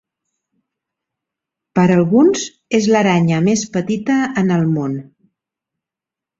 Per alguns, és l'aranya més petita en el món.